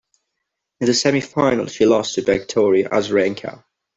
In the semifinal she lost to Victoria Azarenka.